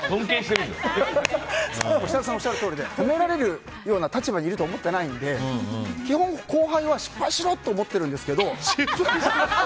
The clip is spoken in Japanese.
設楽さんがおっしゃるとおりで褒められるような立場にいると思ってないので基本、後輩は失敗しろ！と思ってるんですけど。